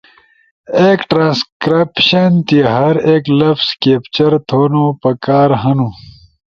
ایک ٹرانسکرائبشن تی ہر ایک لفظ کیپچر تھونو پکار ہنو